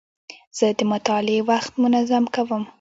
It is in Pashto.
زه د مطالعې وخت منظم کوم.